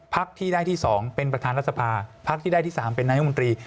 พักที่ได้ที่๒เป็นประธานรัฐสภาพักที่ได้ที่๓เป็นนายกมนตรี